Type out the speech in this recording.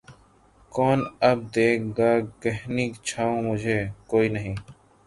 کون اب دے گا گھنی چھاؤں مُجھے، کوئی نہیں